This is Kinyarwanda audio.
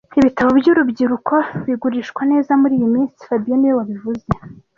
Ibitabo byurubyiruko bigurishwa neza muriyi minsi fabien niwe wabivuze